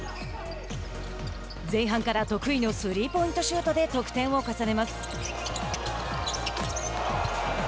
前半から得意のスリーポイントシュートで得点を重ねます。